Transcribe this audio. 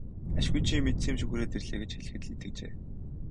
Ашгүй чи мэдсэн юм шиг хүрээд ирлээ гэж хэлэхэд л итгэжээ.